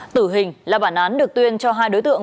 tử hình là bản án được tuyên cho hai đối tượng